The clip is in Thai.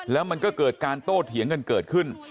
แล้วมันก็เกิดการโต้เถียงกันเกิดขึ้น